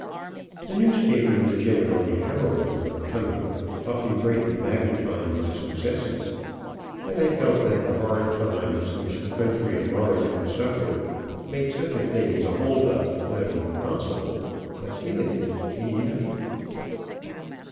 The newspapers generally heralded my coming, often greatly magnifying my successes, and I felt that the hard times, which the country at large was suffering, made such a thing as a hold up not only possible but imminent any night.